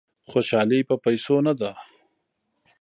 خوشالي په پیسو نه ده.